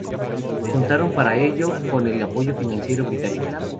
Contaron para ello con el apoyo financiero británico.